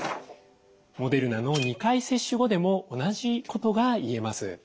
モデルナの２回接種後でも同じことが言えます。